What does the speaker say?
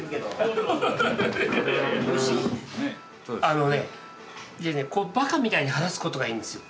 あのねこうばかみたいに話すことがいいんですよ。